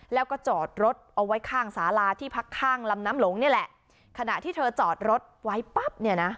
แล้วก็จอดรถเอาไว้ข้างสาราที่พักข้างลำน้ำหลงนี่แหละขณะที่เธอจอดรถไว้ปั๊บเนี่ยนะ